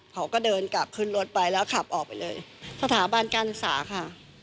เขาก็เดินกลับขึ้นรถไปแล้วขับออกไปเลยสถาบันการศึกษาค่ะ